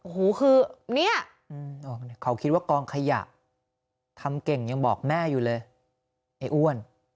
โอ้โหคือเนี่ยเขาคิดว่ากองขยะทำเก่งยังบอกแม่อยู่เลยไอ้อ้วน